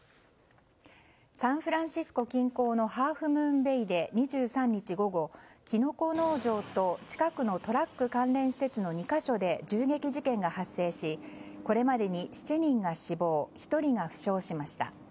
サンフランシスコ近郊のハーフムーンベイで２３日午後、キノコ農場と近くのトラック関連施設の２か所で銃撃事件が発生しこれまでに７人が死亡１人が負傷しました。